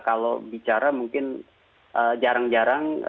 kalau bicara mungkin jarang jarang